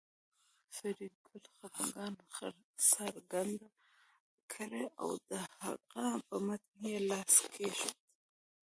فریدګل خپګان څرګند کړ او د هغه په مټ یې لاس کېښود